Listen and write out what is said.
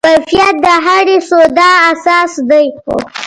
کیفیت د هرې سودا اساس دی.